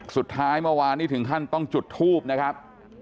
สุดท้ายเมื่อวานนี้ถึงขั้นต้องจุดทูบนะครับ